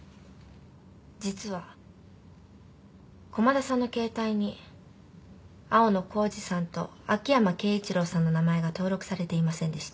実は駒田さんの携帯に青野浩二さんと秋山敬一郎さんの名前が登録されていませんでした。